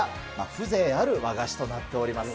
風情ある和菓子となっております。